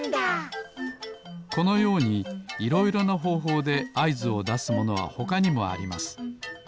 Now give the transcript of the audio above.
このようにいろいろなほうほうであいずをだすものはほかにもあります。